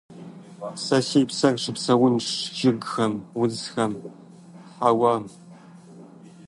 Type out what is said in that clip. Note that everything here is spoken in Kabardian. Сэ си псэр щыпсэунцущ жыгхэм, удзхэм, хьэуам.